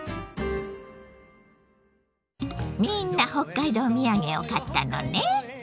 みんな北海道土産を買ったのね。